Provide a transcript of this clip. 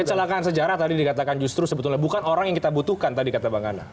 kecelakaan sejarah tadi dikatakan justru sebetulnya bukan orang yang kita butuhkan tadi kata bang anda